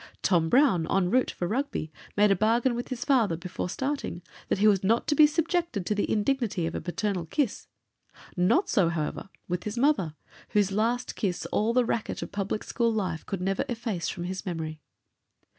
Tom Brown, en route for Rugby, made a bargain with his father, before starting, that he was not to be subjected to the indignity of a paternal kiss; not so, however, with his mother, whose last kiss all the racket of public school life could never efface from his memory.